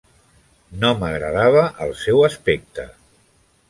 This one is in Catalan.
No m'agradava el seu aspecte.